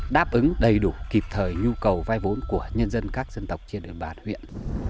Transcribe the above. đáp ứng đầy đủ kịp thời nhu cầu vai vốn của nhân dân các dân tộc trên đường bàn huyện